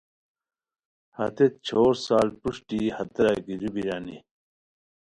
ہتیت چھور سال پروشٹی ہتیرا گیرو بیرانی